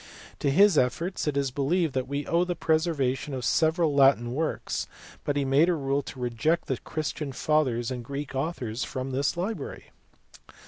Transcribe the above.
To his efforts it is believed we owe the preserva tion of several Latin works, but he made a rule to reject the Christian fathers and Greek authors from his library.